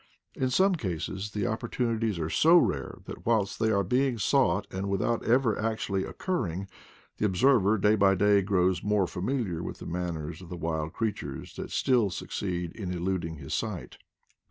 In some cases the opportunities are so rare that whilst they are being sought, and without ever actually occurring, the observer day by day grows more familiar with the manners of the wild crea tures that still succeed in eluding his sight.